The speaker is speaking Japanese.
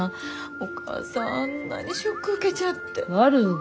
お母さんあんなにショック受けちゃって。